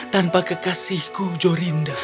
tanpa kekasihku jorinda